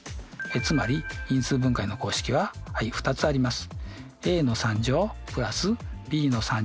つまり因数分解の公式は２つあります。